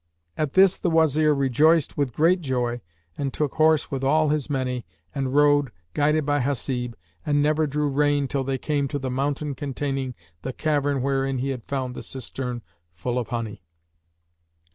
At this the Wazir rejoiced with great joy and took horse with all his many and rode, guided by Hasib, and never drew rein till they came to the mountain containing the cavern wherein he had found the cistern full of honey.